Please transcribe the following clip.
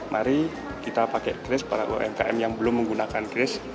mari kita pakai kris para umkm yang belum menggunakan kris